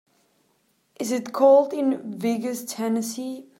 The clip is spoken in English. is it cold in Vigus Tennessee